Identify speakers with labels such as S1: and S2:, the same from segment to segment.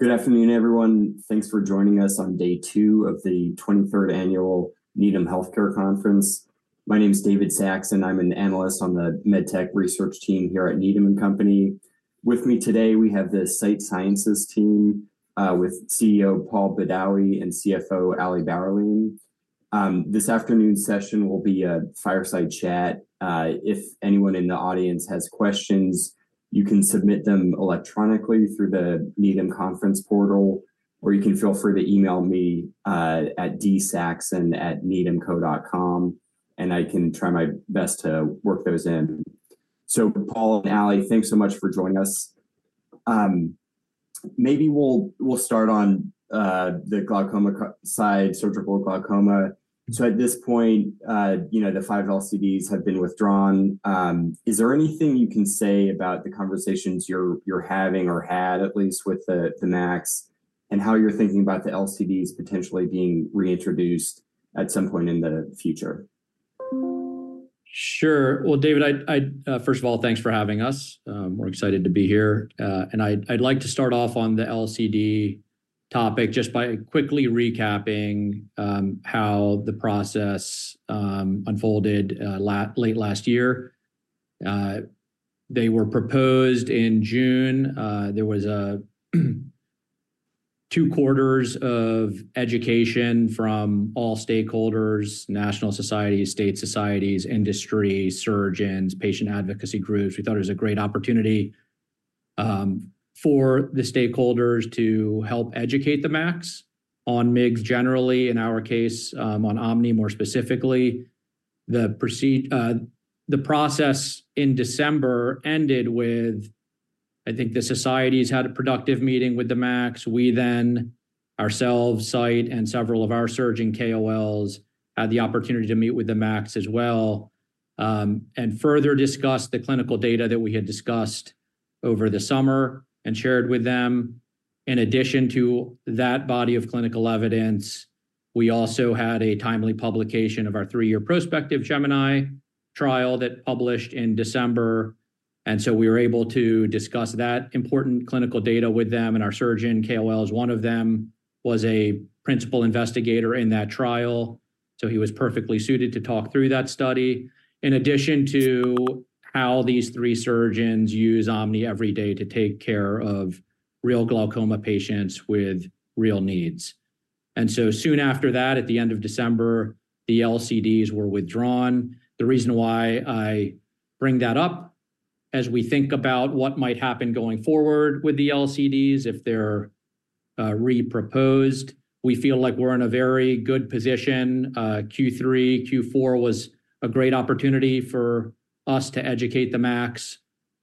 S1: Good afternoon, everyone. Thanks for joining us on day 2 of the 23rd Annual Needham Healthcare Conference. My name is David Saxon. I'm an analyst on the med tech research team here at Needham & Company. With me today, we have the Sight Sciences team, with CEO Paul Badawi and CFO Ali Bauerlein. This afternoon's sesSion will be a fireside chat. If anyone in the audience has questions, you can submit them electronically through the Needham Conference portal, or you can feel free to email me, at dsaxon@needhamco.com, and I can try my best to work those in. So Paul and Ali, thanks so much for joining us. Maybe we'll start on the glaucoma side, surgical glaucoma. So at this point, you know, the 5 LCDs have been withdrawn. Is there anything you can say about the conversations you're having or had, at least with the MACs, and how you're thinking about the LCDs potentially being reintroduced at some point in the future?
S2: Sure. Well, David, first of all, thanks for having us. We're excited to be here, and I'd like to start off on the LCD topic just by quickly recapping how the process unfolded late last year. They were proposed in June. There was two quarters of education from all stakeholders, national societies, state societies, industry, surgeons, patient advocacy groups. We thought it was a great opportunity for the stakeholders to help educate the MACs on MIGS, generally, in our case, on Omni more specifically. The process in December ended with, I think, the societies had a productive meeting with the MACs. We then, ourselves, Sight, and several of our surgeon KOLs, had the opportunity to meet with the MACs as well, and further discuss the clinical data that we had discussed over the summer and shared with them. In addition to that body of clinical evidence, we also had a timely publication of our three-year prospective Gemini trial that published in December, and so we were able to discuss that important clinical data with them and our surgeon KOLs. One of them was a principal investigator in that trial, so he was perfectly suited to talk through that study, in addition to how these three surgeons use Omni every day to take care of real glaucoma patients with real needs. And so soon after that, at the end of December, the LCDs were withdrawn. The reason why I bring that up, as we think about what might happen going forward with the LCDs, if they're re-proposed, we feel like we're in a very good position. Q3, Q4 was a great opportunity for us to educate the MACs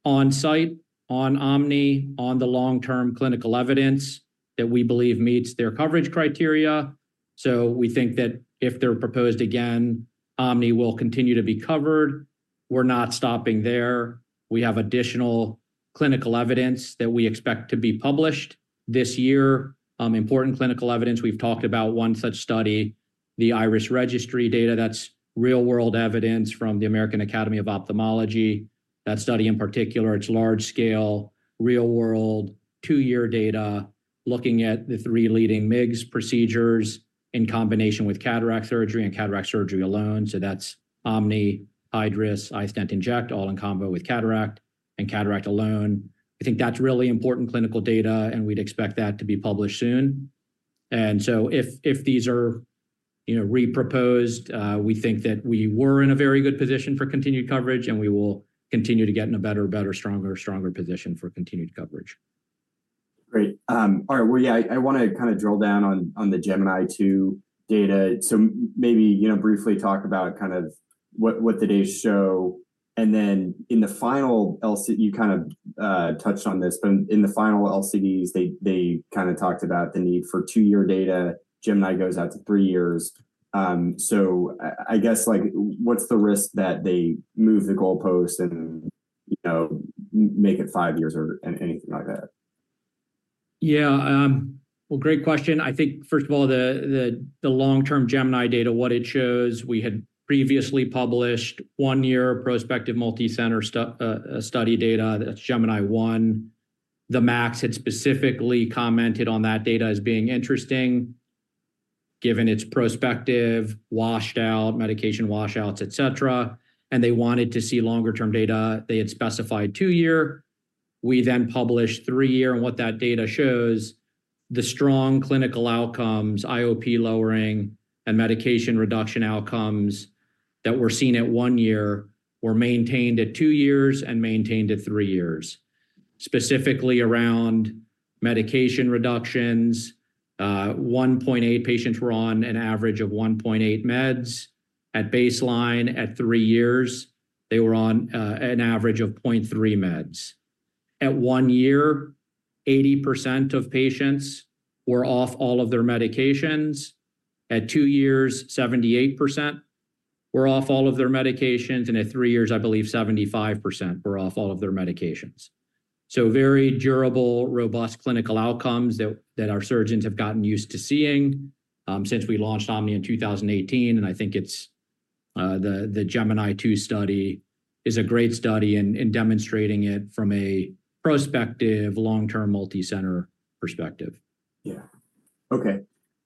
S2: on site, on Omni, on the long-term clinical evidence that we believe meets their coverage criteria. So we think that if they're proposed again, Omni will continue to be covered. We're not stopping there. We have additional clinical evidence that we expect to be published this year. Important clinical evidence, we've talked about one such study, the IRIS Registry data. That's real-world evidence from the American Academy of Ophthalmology. That study, in particular, it's large-scale, real-world, two-year data, looking at the three leading MIGS procedures in combination with cataract surgery and cataract surgery alone. So that's Omni, iStent, iStent inject, all in combo with cataract and cataract alone. I think that's really important clinical data, and we'd expect that to be published soon. And so if, if these are, you know, re-proposed, we think that we were in a very good position for continued coverage, and we will continue to get in a better, better, stronger, stronger position for continued coverage.
S1: Great. All right. Well, yeah, I want to kind of drill down on the Gemini 2 data. So maybe, you know, briefly talk about kind of what the data show, and then in the final LCDs, you kind of touched on this, but in the final LCDs, they kind of talked about the need for two-year data. Gemini goes out to three years. So I guess, like, what's the risk that they move the goalpost and, you know, make it five years or anything like that?
S2: Yeah, well, great question. I think, first of all, the long-term Gemini data, what it shows, we had previously published 1-year prospective multicenter study data. That's Gemini 1. The MACs had specifically commented on that data as being interesting, given it's prospective, washed out, medication washouts, et cetera, and they wanted to see longer-term data. They had specified 2-year. We then published 3-year, and what that data shows, the strong clinical outcomes, IOP lowering, and medication reduction outcomes that were seen at 1 year were maintained at 2 years and maintained at 3 years. Specifically around medication reductions, 1.8 patients were on an average of 1.8 meds. At baseline, at 3 years, they were on, an average of 0.3 meds. At 1 year, 80% of patients were off all of their medications. At two years, 78% were off all of their medications, and at three years, I believe 75% were off all of their medications. So very durable, robust clinical outcomes that our surgeons have gotten used to seeing since we launched Omni in 2018, and I think it's the Gemini 2 study is a great study in demonstrating it from a prospective long-term multicenter perspective.
S1: Yeah. Okay.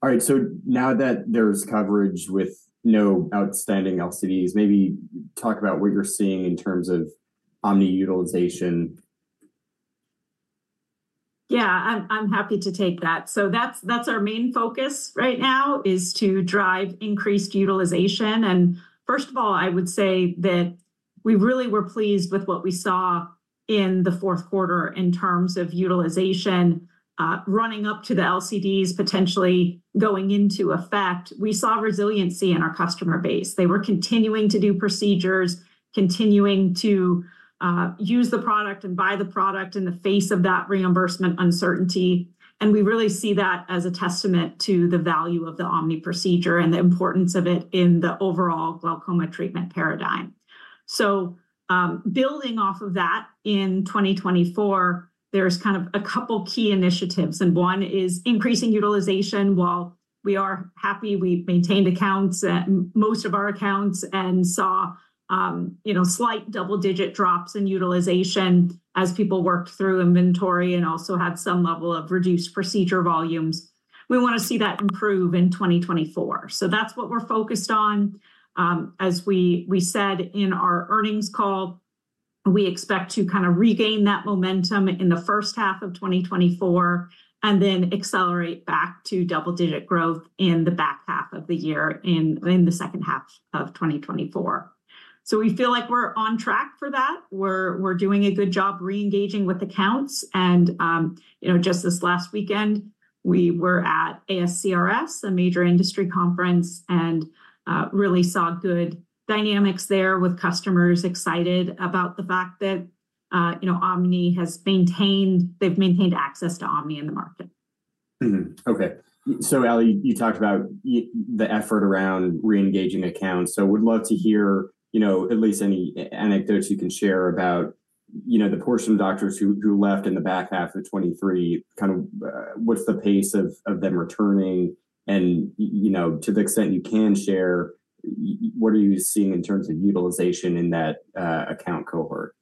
S1: All right, so now that there's coverage with no outstanding LCDs, maybe talk about what you're seeing in terms of Omni utilization.
S3: Yeah, I'm happy to take that. So that's our main focus right now, is to drive increased utilization. And first of all, I would say that we really were pleased with what we saw in the fourth quarter in terms of utilization. Running up to the LCDs, potentially going into effect, we saw resiliency in our customer base. They were continuing to do procedures, continuing to use the product and buy the product in the face of that reimbursement uncertainty. And we really see that as a testament to the value of the Omni procedure and the importance of it in the overall glaucoma treatment paradigm. So, building off of that, in 2024, there's kind of a couple key initiatives, and one is increasing utilization. While we are happy, we've maintained accounts at most of our accounts and saw, you know, slight double-digit drops in utilization as people worked through inventory and also had some level of reduced procedure volumes. We wanna see that improve in 2024. So that's what we're focused on. As we said in our earnings call, we expect to kind of regain that momentum in the first half of 2024 and then accelerate back to double-digit growth in the back half of the year, in the second half of 2024. So we feel like we're on track for that. We're doing a good job reengaging with accounts. And, you know, just this last weekend we were at ASCRS, a major industry conference, and, really saw good dynamics there with customers, excited about the fact that, you know, they've maintained access to Omni in the market.
S1: Mm-hmm. Okay, so, Ali, you talked about the effort around reengaging accounts. So would love to hear, you know, at least any anecdotes you can share about, you know, the portion of doctors who left in the back half of 2023. Kind of, what's the pace of them returning? And, you know, to the extent you can share, what are you seeing in terms of utilization in that account cohort?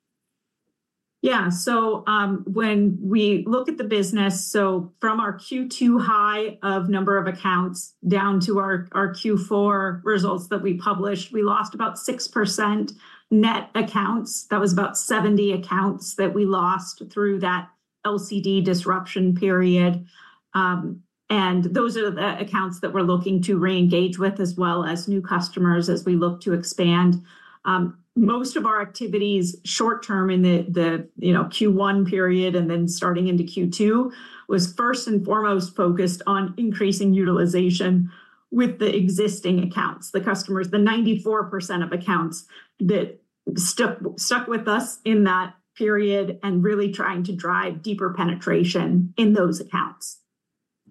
S3: Yeah. So, when we look at the business, so from our Q2 high of number of accounts down to our Q4 results that we published, we lost about 6% net accounts. That was about 70 accounts that we lost through that LCD disruption period. Those are the accounts that we're looking to reengage with, as well as new customers as we look to expand. Most of our activities short term in the you know Q1 period and then starting into Q2 was first and foremost focused on increasing utilization with the existing accounts, the customers, the 94% of accounts that stuck with us in that period, and really trying to drive deeper penetration in those accounts.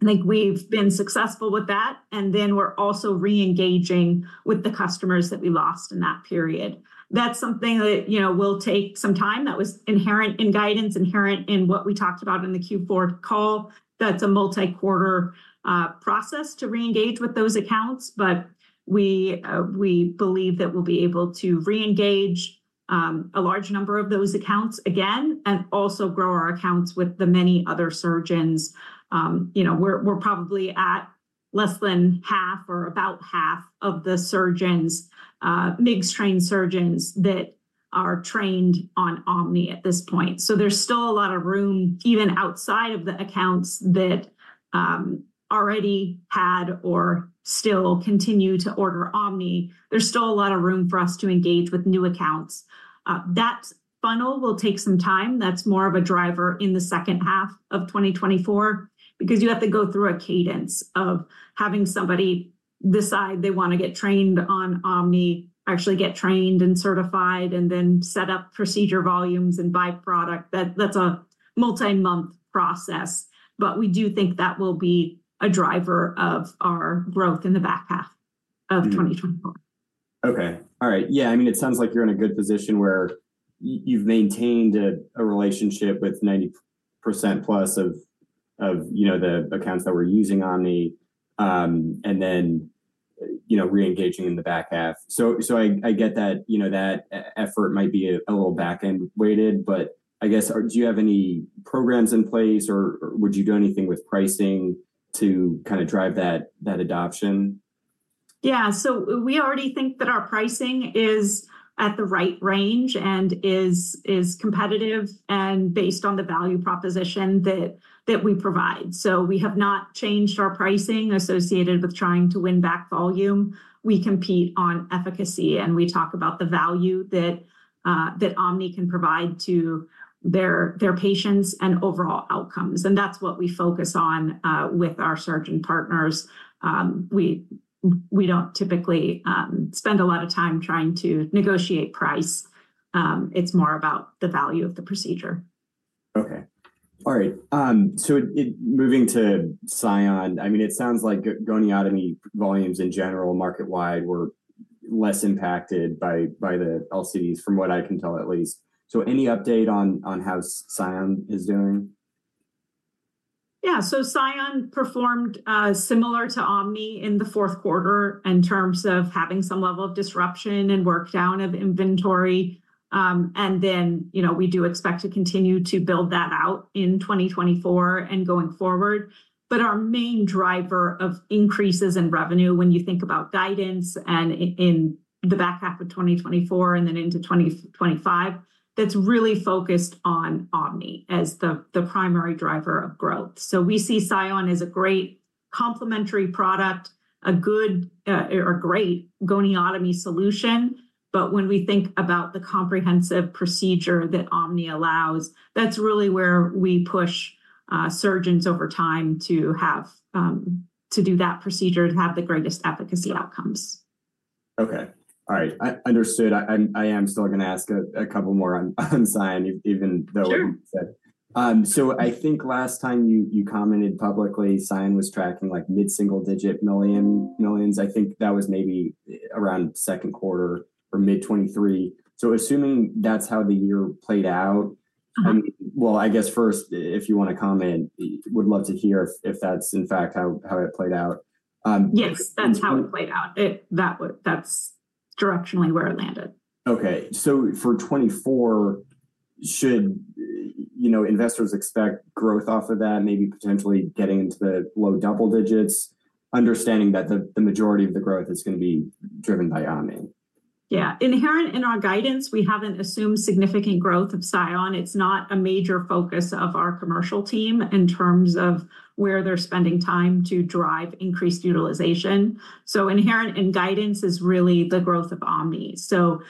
S3: I think we've been successful with that, and then we're also reengaging with the customers that we lost in that period. That's something that, you know, will take some time. That was inherent in guidance, inherent in what we talked about in the Q4 call. That's a multi-quarter process to reengage with those accounts, but we, we believe that we'll be able to reengage a large number of those accounts again and also grow our accounts with the many other surgeons. You know, we're, we're probably at less than half or about half of the surgeons, MIGS-trained surgeons that are trained on Omni at this point. So there's still a lot of room, even outside of the accounts that already had or still continue to order Omni. There's still a lot of room for us to engage with new accounts. That funnel will take some time. That's more of a driver in the second half of 2024, because you have to go through a cadence of having somebody decide they wanna get trained on Omni, actually get trained and certified, and then set up procedure volumes and buy product. That's a multi-month process, but we do think that will be a driver of our growth in the back half of 2024.
S1: Okay. All right. Yeah, I mean, it sounds like you're in a good position where you've maintained a relationship with 90% plus of, you know, the accounts that we're using Omni, and then, you know, reengaging in the back half. So, I get that, you know, that effort might be a little back-end weighted, but I guess, do you have any programs in place, or would you do anything with pricing to kind of drive that adoption?
S3: Yeah, so we already think that our pricing is at the right range and is competitive and based on the value proposition that we provide. So we have not changed our pricing associated with trying to win back volume. We compete on efficacy, and we talk about the value that Omni can provide to their patients and overall outcomes, and that's what we focus on with our surgeon partners. We don't typically spend a lot of time trying to negotiate price. It's more about the value of the procedure.
S1: Okay. All right. Moving to Sion, I mean, it sounds like goniotomy volumes in general, market-wide, were less impacted by the LCDs, from what I can tell at least. So any update on how Sion is doing?
S3: Yeah, so Sion performed similar to Omni in the fourth quarter in terms of having some level of disruption and work down of inventory. And then, you know, we do expect to continue to build that out in 2024 and going forward. But our main driver of increases in revenue when you think about guidance and in the back half of 2024 and then into 2025, that's really focused on Omni as the primary driver of growth. So we see Sion as a great complementary product, a good or great goniotomy solution. But when we think about the comprehensive procedure that Omni allows, that's really where we push surgeons over time to have to do that procedure to have the greatest efficacy outcomes.
S1: Okay. All right. I understood. I am still gonna ask a couple more on Sion, even though you, ve said.
S3: Sure
S1: So I think last time you commented publicly, Sion was tracking like mid-single-digit millions. I think that was maybe around second quarter or mid-2023. So assuming that's how the year played out-
S3: Uh-huh...
S1: Well, I guess first, if you want to comment, would love to hear if, if that's in fact how, how it played out.
S3: Yes, that's how it played out. That's directionally where it landed.
S1: Okay. So for 2024, should, you know, investors expect growth off of that, maybe potentially getting into the low double digits, understanding that the majority of the growth is gonna be driven by Omni?
S3: Yeah. Inherent in our guidance, we haven't assumed significant growth of Sion. It's not a major focus of our commercial team in terms of where they're spending time to drive increased utilization. So inherent in guidance is really the growth of Omni. So,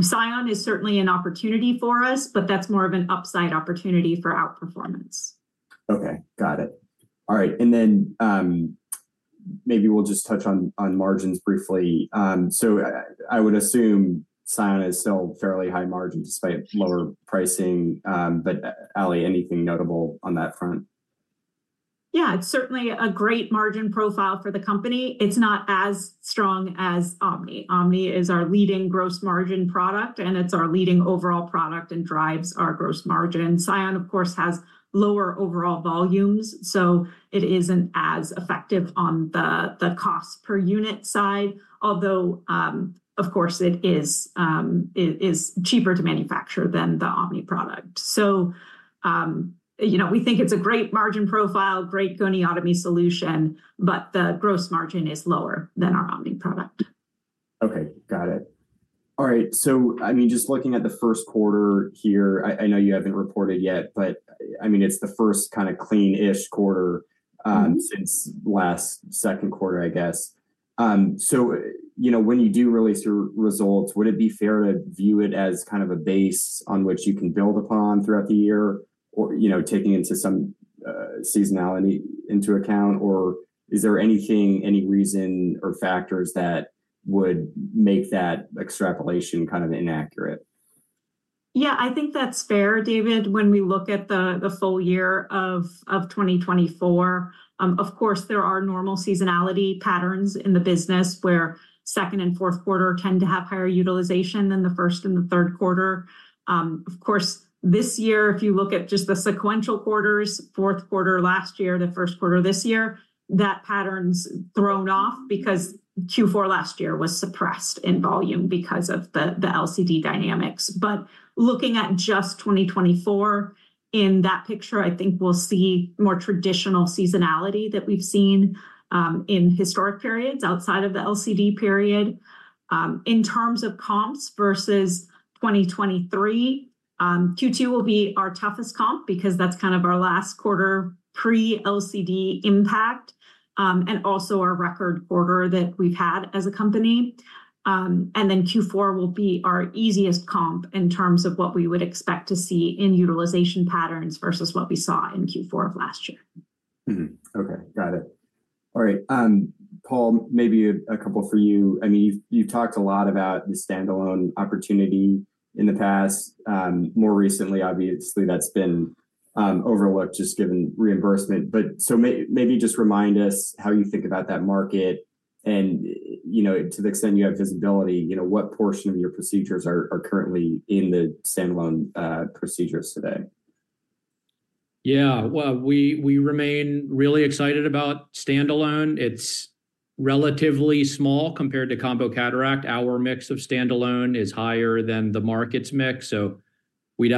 S3: Sion is certainly an opportunity for us, but that's more of an upside opportunity for outperformance.
S1: Okay, got it. All right, and then, maybe we'll just touch on, on margins briefly. So I, I would assume Sion is still fairly high margin despite lower pricing. But Ali, anything notable on that front?
S3: Yeah, it's certainly a great margin profile for the company. It's not as strong as Omni. Omni is our leading gross margin product, and it's our leading overall product and drives our gross margin. Sion, of course, has lower overall volumes, so it isn't as effective on the cost per unit side. Although, of course, it is cheaper to manufacture than the Omni product. So, you know, we think it's a great margin profile, great goniotomy solution, but the gross margin is lower than our Omni product.
S1: Okay, got it. All right. So I mean, just looking at the first quarter here, I know you haven't reported yet, but I mean, it's the first kind of clean-ish quarter since last second quarter, I guess. So, you know, when you do release your results, would it be fair to view it as kind of a base on which you can build upon throughout the year? Or, you know, taking into some seasonality into account, or is there anything, any reason or factors that would make that extrapolation kind of inaccurate?
S3: Yeah, I think that's fair, David. When we look at the full year of 2024, of course, there are normal seasonality patterns in the business, where second and fourth quarter tend to have higher utilization than the first and the third quarter. Of course, this year, if you look at just the sequential quarters, fourth quarter last year, the first quarter this year, that pattern's thrown off because Q4 last year was suppressed in volume because of the LCD dynamics. But looking at just 2024, in that picture, I think we'll see more traditional seasonality that we've seen in historic periods outside of the LCD period. In terms of comps versus 2023, Q2 will be our toughest comp because that's kind of our last quarter pre-LCD impact, and also our record order that we've had as a company. And then Q4 will be our easiest comp in terms of what we would expect to see in utilization patterns versus what we saw in Q4 of last year.
S1: Mm-hmm. Okay, got it. All right. Paul, maybe a couple for you. I mean, you've talked a lot about the standalone opportunity in the past. More recently, obviously, that's been overlooked just given reimbursement. But so maybe just remind us how you think about that market, and, you know, to the extent you have visibility, you know, what portion of your procedures are currently in the standalone procedures today?
S2: Yeah. Well, we remain really excited about standalone. It's relatively small compared to combo cataract. Our mix of standalone is higher than the market's mix, so we'd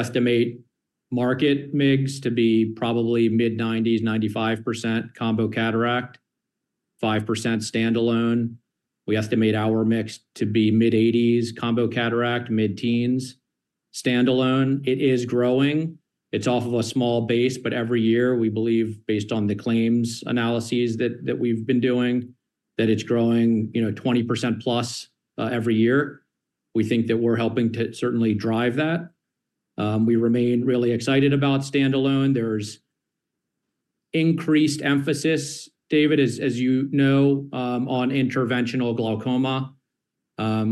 S2: estimate market mix to be probably mid-90%s, 95% combo cataract, 5% standalone. We estimate our mix to be mid-80%s combo cataract, mid-teens standalone. It is growing. It's off of a small base, but every year, we believe, based on the claims analyses that we've been doing, that it's growing, you know, 20%+ every year. We think that we're helping to certainly drive that. We remain really excited about standalone. There's increased emphasis, David, as you know, on interventional glaucoma.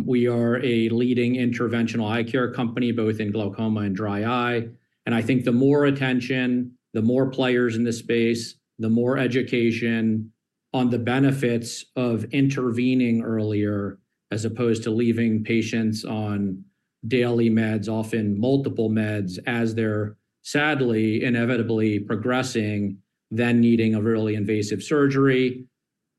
S2: We are a leading interventional eye care company, both in glaucoma and dry eye. And I think the more attention, the more players in this space, the more education on the benefits of intervening earlier as opposed to leaving patients on daily meds, often multiple meds, as they're sadly, inevitably progressing, then needing a really invasive surgery.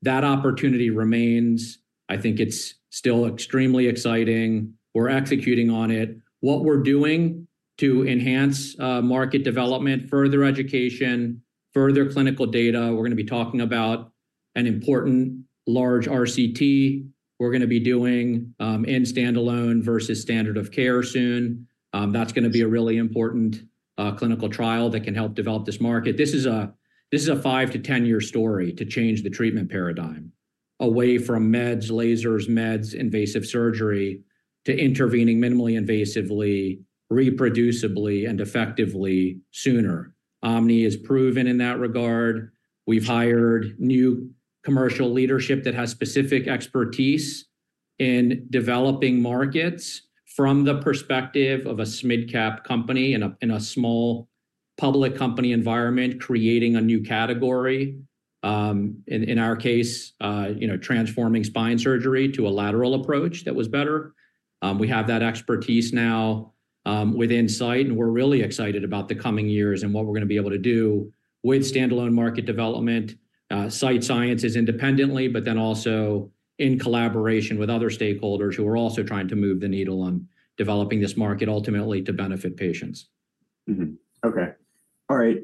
S2: That opportunity remains. I think it's still extremely exciting. We're executing on it. What we're doing to enhance market development, further education, further clinical data, we're gonna be talking about an important large RCT. We're gonna be doing in standalone versus standard of care soon. That's gonna be a really important clinical trial that can help develop this market. This is a 5-year-10-year story to change the treatment paradigm away from meds, lasers, meds, invasive surgery, to intervening minimally invasively, reproducibly, and effectively sooner. Omni is proven in that regard. We've hired new commercial leadership that has specific expertise in developing markets from the perspective of a mid-cap company in a small public company environment, creating a new category. In our case, you know, transforming spine surgery to a lateral approach that was better. We have that expertise now, within Sight, and we're really excited about the coming years and what we're gonna be able to do with standalone market development, Sight Sciences independently, but then also in collaboration with other stakeholders who are also trying to move the needle on developing this market ultimately to benefit patients.
S1: Mm-hmm. Okay. All right,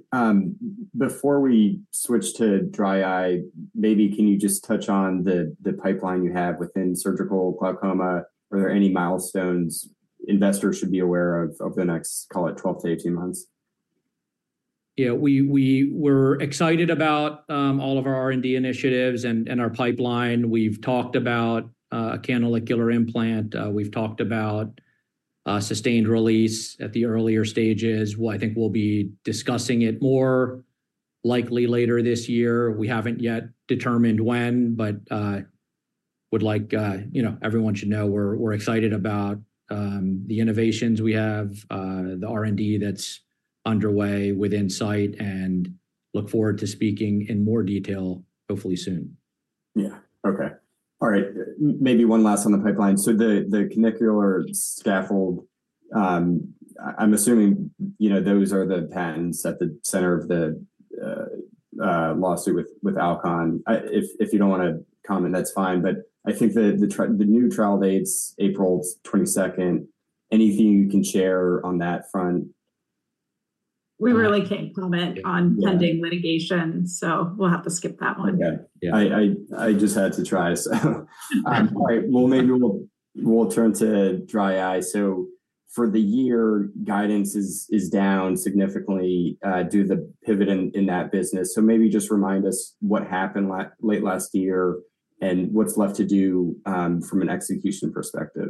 S1: before we switch to dry eye, maybe can you just touch on the pipeline you have within surgical glaucoma? Are there any milestones investors should be aware of, of the next, call it 12 months-18 months?
S2: Yeah, we're excited about all of our R&D initiatives and our pipeline. We've talked about canalicular implant. We've talked about sustained release at the earlier stages. Well, I think we'll be discussing it more likely later this year. We haven't yet determined when, but would like, you know, everyone should know we're excited about the innovations we have, the R&D that's underway within Sight, and look forward to speaking in more detail, hopefully soon.
S1: Yeah. Okay. All right. Maybe one last on the pipeline. So the canalicular scaffold, I'm assuming, you know, those are the patents at the center of the lawsuit with Alcon. If you don't wanna comment, that's fine, but I think the new trial date's April 22nd. Anything you can share on that front?
S3: We really can't comment on pending litigation, so we'll have to skip that one.
S1: Okay. Yeah. I just had to try, so, all right. Well, maybe we'll turn to dry eye. So for the year, guidance is down significantly due to the pivot in that business. So maybe just remind us what happened late last year, and what's left to do from an execution perspective.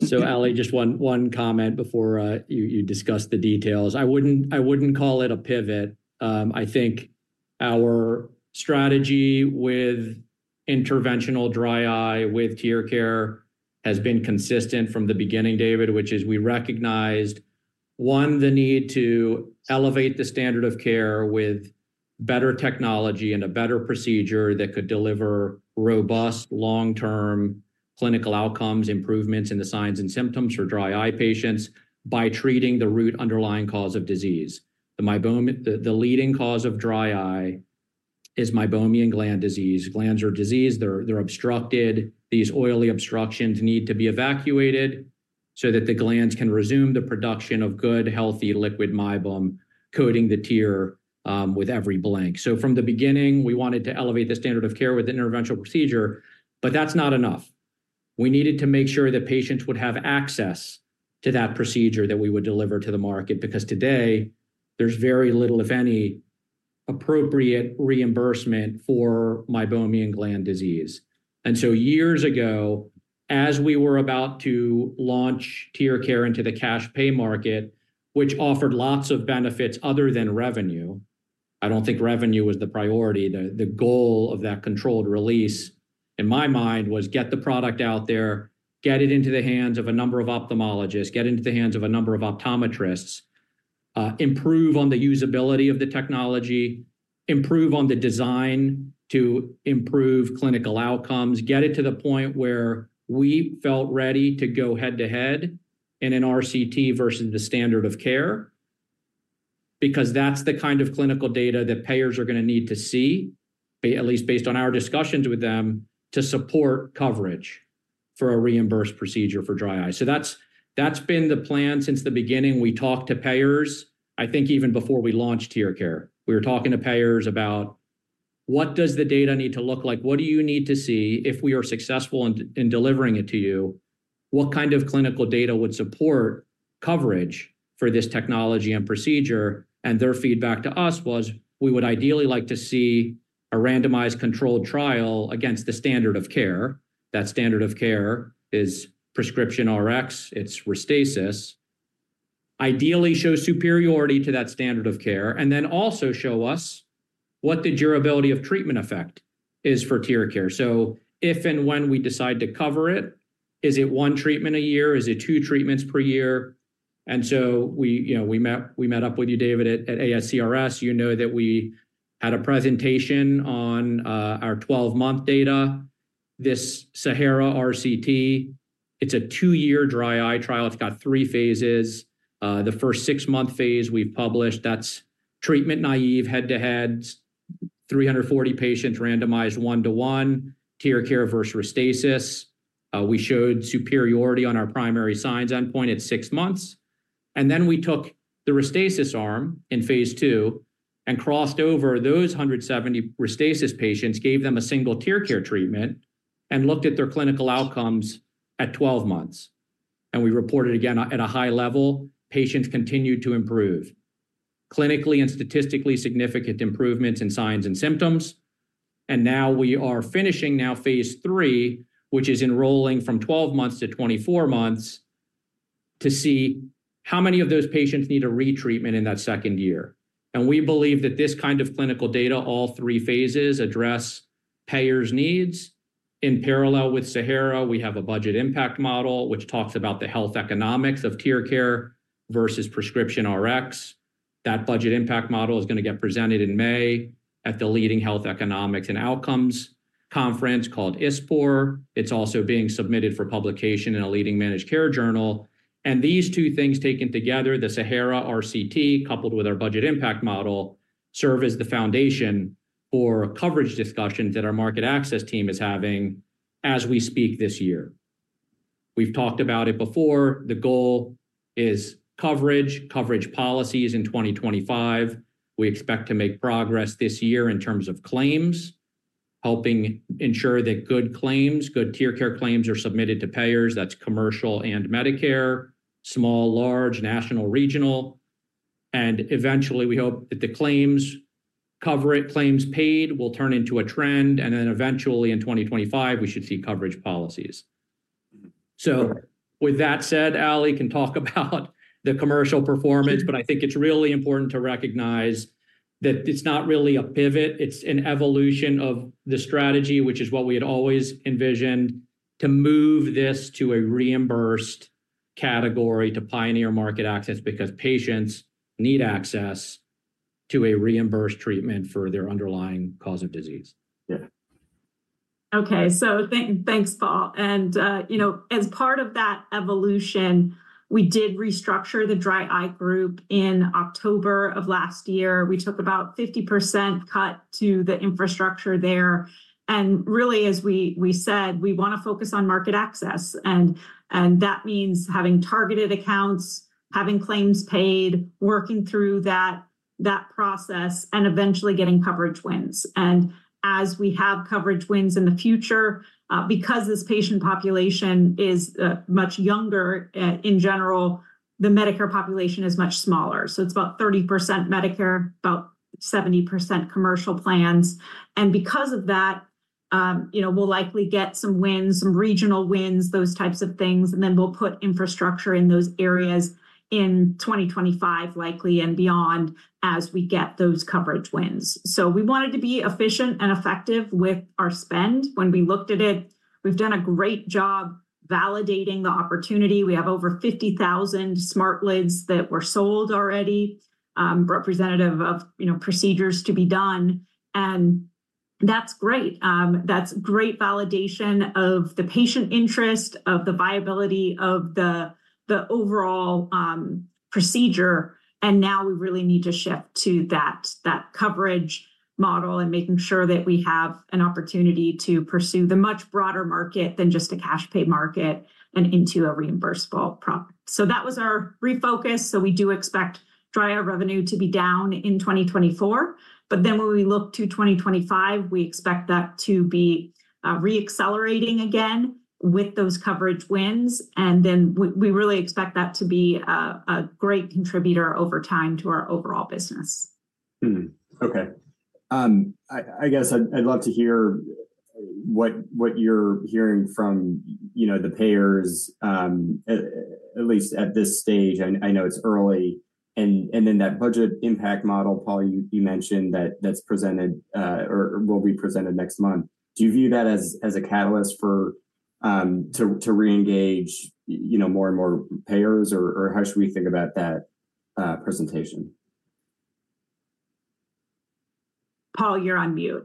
S2: So Ali, just one, one comment before you discuss the details. I wouldn't call it a pivot. I think our strategy with interventional dry eye with TearCare has been consistent from the beginning, David, which is we recognized, one, the need to elevate the standard of care with better technology and a better procedure that could deliver robust, long-term clinical outcomes, improvements in the signs and symptoms for dry eye patients by treating the root underlying cause of disease. The meibomian gland disease, the leading cause of dry eye is meibomian gland disease. Glands are diseased. They're obstructed. These oily obstructions need to be evacuated so that the glands can resume the production of good, healthy, liquid meibum, coating the tear with every blink. So from the beginning, we wanted to elevate the standard of care with interventional procedure, but that's not enough. We needed to make sure that patients would have access to that procedure that we would deliver to the market, because today, there's very little, if any, appropriate reimbursement for Meibomian Gland Disease. And so years ago, as we were about to launch TearCare into the cash pay market, which offered lots of benefits other than revenue, I don't think revenue was the priority. The goal of that controlled release, in my mind, was to get the product out there, get it into the hands of a number of ophthalmologists, get it into the hands of a number of optometrists, improve on the usability of the technology, improve on the design to improve clinical outcomes, get it to the point where we felt ready to go head-to-head in an RCT versus the standard of care, because that's the kind of clinical data that payers are gonna need to see, at least based on our discusSions with them, to support coverage for a reimbursed procedure for dry eye. That's been the plan since the beginning. We talked to payers, I think even before we launched TearCare. We were talking to payers about, what does the data need to look like? What do you need to see if we are successful in delivering it to you? What kind of clinical data would support coverage for this technology and procedure? And their feedback to us was, "We would ideally like to see a randomized controlled trial against the standard of care." That standard of care is prescription RX, it's Restasis. Ideally, show superiority to that standard of care, and then also show us what the durability of treatment effect is for tear care. So if and when we decide to cover it, is it one treatment a year? Is it two treatments per year? And so we, you know, we met up with you, David, at ASCRS. You know that we had a presentation on our 12-month data, this SAHARA RCT. It's a two-year dry eye trial. It's got three phases. The first 6-month phase we've published, that's treatment-naive, head-to-head, 340 patients randomized 1 to 1, TearCare versus Restasis. We showed superiority on our primary signs endpoint at 6 months, and then we took the Restasis arm in Phase II and crossed over those 170 Restasis patients, gave them a single TearCare treatment, and looked at their clinical outcomes at 12 months. And we reported, again, at a high level, patients continued to improve. Clinically and statistically significant improvements in signs and symptoms, and now we are finishing now Phase III, which is enrolling from 12 months to 24 months, to see how many of those patients need a retreatment in that second year. We believe that this kind of clinical data, all three phases, address payers' needs. In parallel with SAHARA, we have a budget impact model, which talks about the health economics of tear care versus prescription RX. That budget impact model is going to get presented in May at the leading health economics and outcomes conference called ISPOR. It's also being submitted for publication in a leading managed care journal, and these two things taken together, the SAHARA RCT, coupled with our budget impact model, serve as the foundation for coverage discusSions that our market access team is having as we speak this year. We've talked about it before. The goal is coverage, coverage policies in 2025. We expect to make progress this year in terms of claims, helping ensure that good claims, good tear care claims, are submitted to payers. That's commercial and Medicare, small, large, national, regional. Eventually, we hope that the claims cover it, claims paid will turn into a trend, and then eventually in 2025, we should see coverage policies. With that said, Ali can talk about the commercial performance, but I think it's really important to recognize that it's not really a pivot, it's an evolution of the strategy, which is what we had always enviSioned, to move this to a reimbursed category, to pioneer market access, because patients need access to a reimbursed treatment for their underlying cause of disease.
S1: Yeah.
S3: Okay. So thanks, Paul. And, you know, as part of that evolution, we did restructure the dry eye group in October of last year. We took about 50% cut to the infrastructure there, and really, as we said, we want to focus on market access, and that means having targeted accounts, having claims paid, working through that process, and eventually getting coverage wins. And as we have coverage wins in the future, because this patient population is much younger, in general, the Medicare population is much smaller. So it's about 30% Medicare, about 70% commercial plans, and because of that, you know, we'll likely get some wins, some regional wins, those types of things, and then we'll put infrastructure in those areas in 2025, likely and beyond, as we get those coverage wins. So we wanted to be efficient and effective with our spend when we looked at it. We've done a great job validating the opportunity. We have over 50,000 SmartLids that were sold already, representative of, you know, procedures to be done, and that's great. That's great validation of the patient interest, of the viability of the overall procedure, and now we really need to shift to that coverage model and making sure that we have an opportunity to pursue the much broader market than just a cash pay market and into a reimbursable product. So that was our refocus, so we do expect dry eye revenue to be down in 2024, but then when we look to 2025, we expect that to be re-accelerating again with those coverage wins, and then we really expect that to be a great contributor over time to our overall business.
S1: Mm-hmm. Okay. I guess I'd love to hear what you're hearing from, you know, the payers, at least at this stage. I know it's early. And then that budget impact model, Paul, you mentioned that that's presented, or will be presented next month. Do you view that as a catalyst for to reengage, you know, more and more payers, or how should we think about that presentation?
S3: Paul, you're on mute.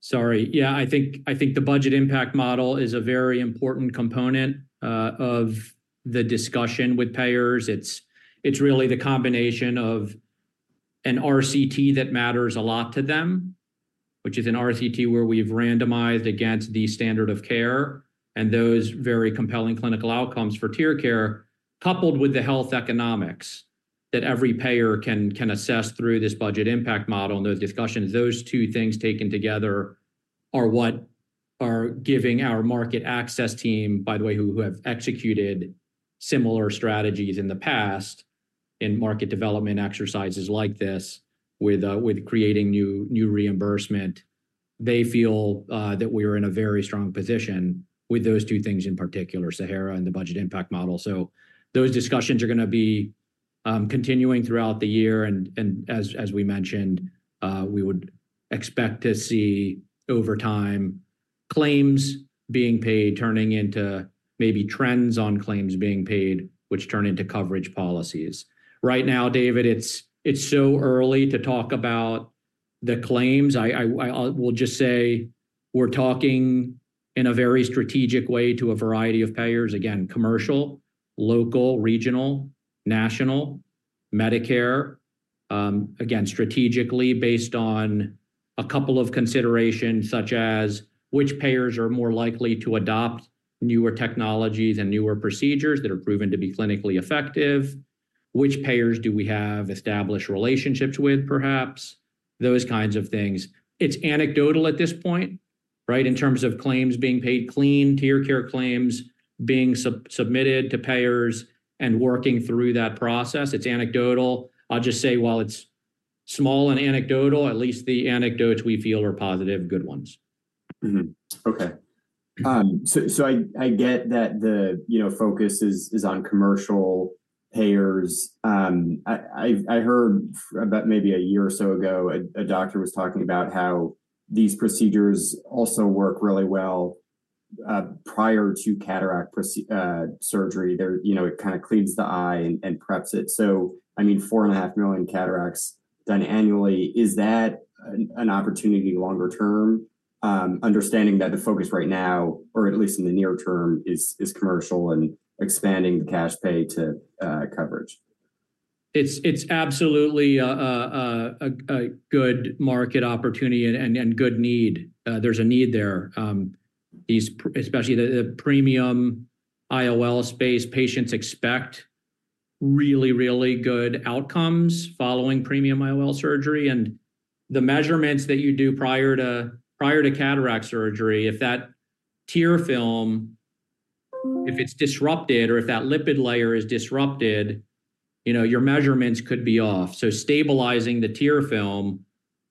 S2: Sorry. Yeah, I think the budget impact model is a very important component of the discusSion with payers. It's really the combination of an RCT that matters a lot to them, which is an RCT where we've randomized against the standard of care and those very compelling clinical outcomes for TearCare, coupled with the health economics that every payer can assess through this budget impact model and those discusSions. Those two things taken together are what are giving our market access team, by the way, who have executed similar strategies in the past in market development exercises like this, with creating new reimbursement. They feel that we're in a very strong position with those two things, in particular, SAHARA and the budget impact model. So those discusSions are going to be continuing throughout the year, and as we mentioned, we would expect to see over time claims being paid, turning into maybe trends on claims being paid, which turn into coverage policies. Right now, David, it's so early to talk about the claims. I will just say we're talking in a very strategic way to a variety of payers. Again, commercial, local, regional, national, Medicare, again, strategically based on a couple of considerations, such as which payers are more likely to adopt newer technologies and newer procedures that are proven to be clinically effective? Which payers do we have established relationships with, perhaps? Those kinds of things. It's anecdotal at this point, right, in terms of claims being paid clean, TearCare claims being submitted to payers and working through that process, it's anecdotal. I'll just say while it's small and anecdotal, at least the anecdotes we feel are positive, good ones.
S1: Mm-hmm. Okay. So I get that the, you know, focus is on commercial payers. I heard about maybe a year or so ago a doctor was talking about how these procedures also work really well prior to cataract surgery. You know, it kind of cleans the eye and preps it. So I mean, 4.5 million cataracts done annually, is that an opportunity longer term? Understanding that the focus right now, or at least in the near term, is commercial and expanding the cash pay to coverage.
S2: It's absolutely a good market opportunity and good need. There's a need there. These, especially the premium IOL space, patients expect really, really good outcomes following premium IOL surgery, and the measurements that you do prior to cataract surgery, if that tear film, if it's disrupted or if that lipid layer is disrupted, you know, your measurements could be off. So stabilizing the tear film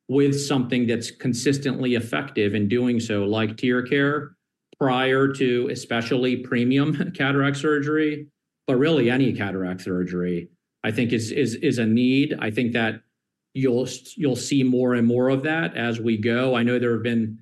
S2: with something that's consistently effective in doing so, like TearCare, prior to especially premium cataract surgery, but really any cataract surgery, I think is a need. I think that you'll see more and more of that as we go. I know there have been,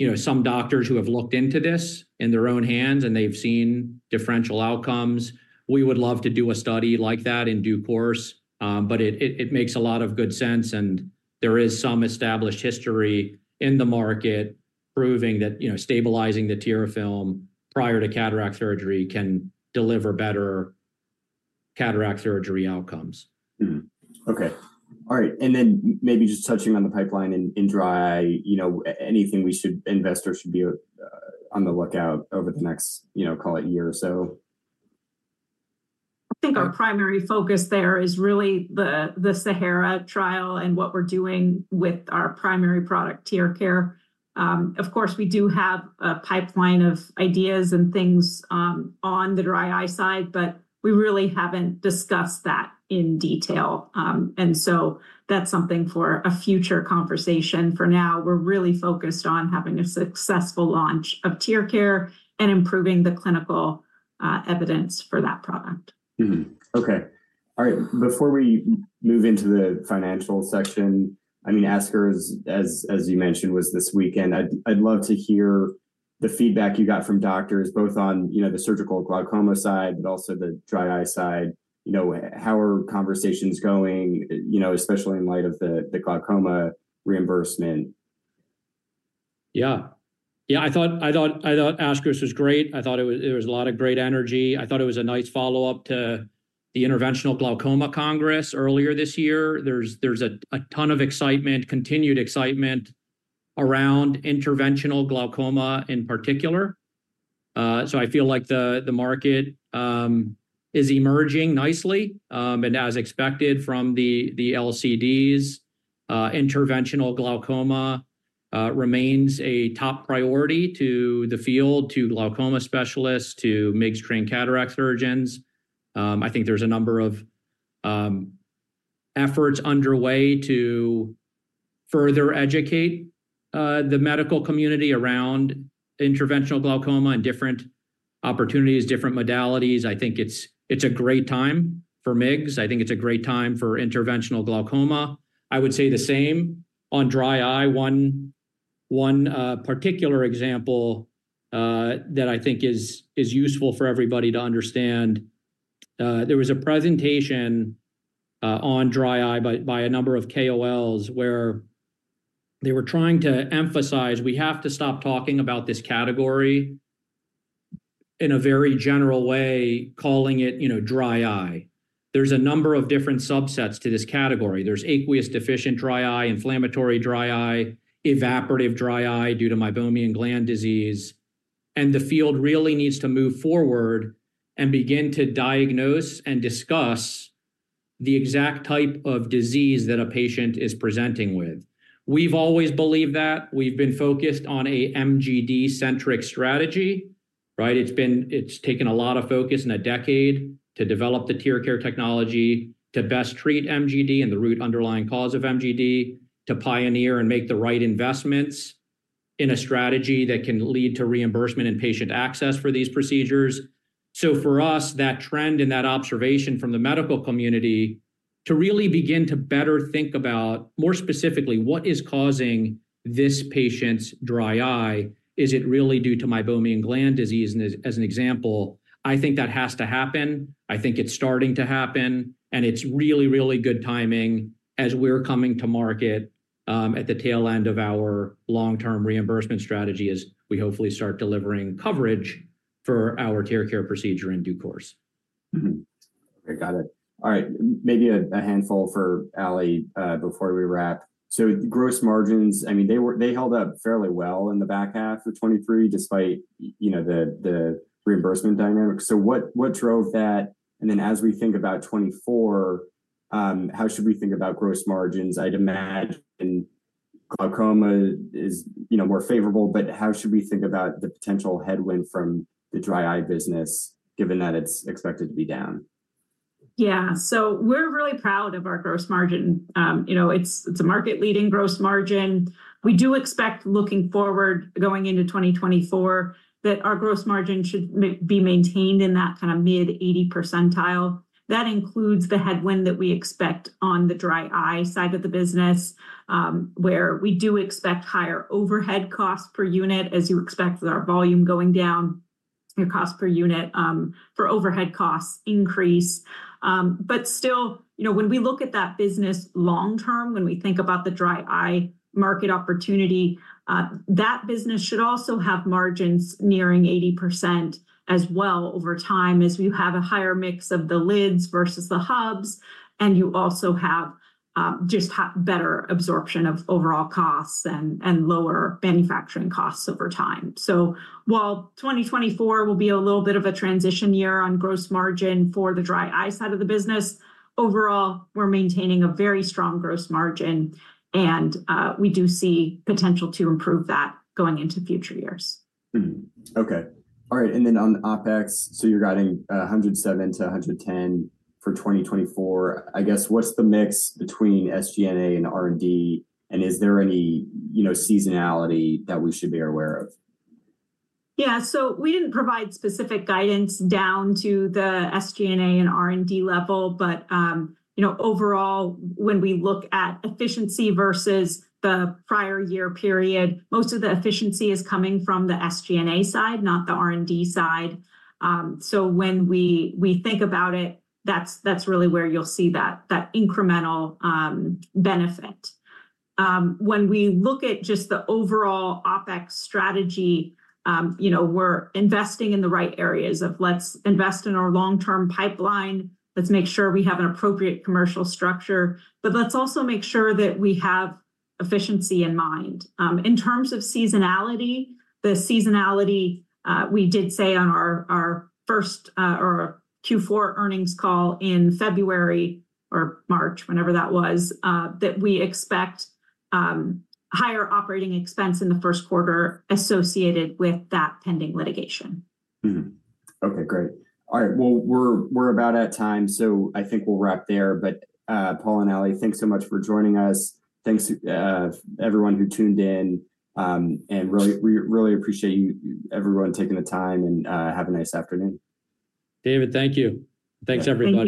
S2: you know, some doctors who have looked into this in their own hands, and they've seen differential outcomes. We would love to do a study like that in due course, but it makes a lot of good sense, and there is some established history in the market proving that, you know, stabilizing the tear film prior to cataract surgery can deliver better cataract surgery outcomes.
S1: Mm-hmm. Okay. All right, and then maybe just touching on the pipeline in dry, you know, anything we should, investors should be on the lookout over the next, you know, call it year or so?
S3: I think our primary focus there is really the SAHARA trial and what we're doing with our primary product, TearCare. Of course, we do have a pipeline of ideas and things on the dry eye side, but we really haven't discussed that in detail. And so that's something for a future conversation. For now, we're really focused on having a successful launch of TearCare and improving the clinical evidence for that product.
S1: Mm-hmm. Okay. All right. Before we move into the financial section, I mean, ASCRS, as you mentioned, was this weekend. I'd love to hear the feedback you got from doctors, both on, you know, the surgical glaucoma side, but also the dry eye side. You know, how are conversations going, you know, especially in light of the glaucoma reimbursement?
S2: Yeah. Yeah, I thought ASCRS was great. I thought it was. There was a lot of great energy. I thought it was a nice follow-up to the Interventional Glaucoma Congress earlier this year. There's a ton of excitement, continued excitement around interventional glaucoma in particular. So I feel like the market is emerging nicely, and as expected from the LCDs, interventional glaucoma remains a top priority to the field, to glaucoma specialists, to mixed trained cataract surgeons. I think there's a number of efforts underway to further educate the medical community around interventional glaucoma and different opportunities, different modalities. I think it's a great time for MIGS. I think it's a great time for interventional glaucoma. I would say the same on dry eye. One particular example that I think is useful for everybody to understand, there was a presentation on dry eye by a number of KOLs, where they were trying to emphasize we have to stop talking about this category in a very general way, calling it, you know, dry eye. There's a number of different subsets to this category. There's aqueous deficient dry eye, inflammatory dry eye, evaporative dry eye due to Meibomian gland disease, and the field really needs to move forward and begin to diagnose and discuss the exact type of disease that a patient is presenting with. We've always believed that. We've been focused on a MGD-centric strategy, right? It's taken a lot of focus and a decade to develop the TearCare technology to best treat MGD and the root underlying cause of MGD, to pioneer and make the right investments in a strategy that can lead to reimbursement and patient access for these procedures. So for us, that trend and that observation from the medical community to really begin to better think about, more specifically, what is causing this patient's dry eye? Is it really due to meibomian gland disease, as an example? I think that has to happen. I think it's starting to happen, and it's really, really good timing as we're coming to market at the tail end of our long-term reimbursement strategy, as we hopefully start delivering coverage for our TearCare procedure in due course.
S1: Mm-hmm. I got it. All right, maybe a handful for Ali before we wrap. So gross margins, I mean, they held up fairly well in the back half of 2023, despite you know, the reimbursement dynamics. So what drove that? And then as we think about 2024, how should we think about gross margins? I'd imagine glaucoma is, you know, more favorable, but how should we think about the potential headwind from the dry eye business, given that it's expected to be down?
S3: Yeah. So we're really proud of our gross margin. You know, it's a market-leading gross margin. We do expect looking forward, going into 2024, that our gross margin should be maintained in that kind of mid-80%. That includes the headwind that we expect on the dry eye side of the business, where we do expect higher overhead costs per unit, as you expect with our volume going down, your cost per unit for overhead costs increase. But still, you know, when we look at that business long term, when we think about the dry eye market opportunity, that business should also have margins nearing 80% as well over time, as we have a higher mix of the lids versus the hubs, and you also have just better absorption of overall costs and lower manufacturing costs over time. So while 2024 will be a little bit of a transition year on gross margin for the dry eye side of the business, overall, we're maintaining a very strong gross margin, and we do see potential to improve that going into future years.
S1: Mm-hmm. Okay. All right, and then on OpEx, so you're guiding 107-110 for 2024. I guess, what's the mix between SG&A and R&D, and is there any, you know, seasonality that we should be aware of?
S3: Yeah, so we didn't provide specific guidance down to the SG&A and R&D level, but, you know, overall, when we look at efficiency versus the prior year period, most of the efficiency is coming from the SG&A side, not the R&D side. So when we think about it, that's really where you'll see that incremental benefit. When we look at just the overall OpEx strategy, you know, we're investing in the right areas of let's invest in our long-term pipeline, let's make sure we have an appropriate commercial structure, but let's also make sure that we have efficiency in mind. In terms of seasonality, the seasonality, we did say on our first or Q4 earnings call in February or March, whenever that was, that we expect higher operating expense in the first quarter associated with that pending litigation.
S1: Mm-hmm. Okay, great. All right, well, we're about at time, so I think we'll wrap there. But, Paul and Ali, thanks so much for joining us. Thanks, everyone who tuned in, and really, we really appreciate you, everyone taking the time and, have a nice afternoon.
S2: David, thank you. Thanks, everybody.